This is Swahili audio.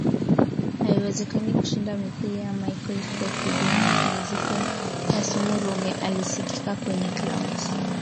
haiwezekani kushinda Mithili ya Michael Scofied wa mapumziko ya sumu Ruge alisikika kwenye Clouds